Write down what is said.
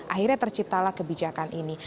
akhirnya terciptalah kebijakan ini